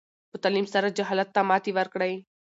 په تعلیم سره جهالت ته ماتې ورکړئ.